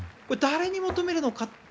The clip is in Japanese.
誰に求めるのか。